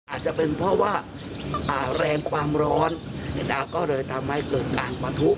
อาจจะเป็นเพราะว่าแรงความร้อนก็เลยทำให้เกิดการปะทุ